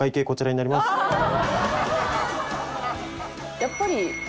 やっぱり。